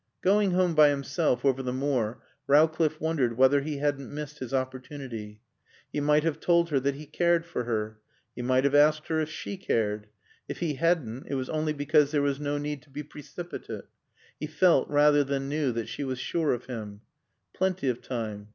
Going home by himself over the moor, Rowcliffe wondered whether he hadn't missed his opportunity. He might have told her that he cared for her. He might have asked her if she cared. If he hadn't, it was only because there was no need to be precipitate. He felt rather than knew that she was sure of him. Plenty of time.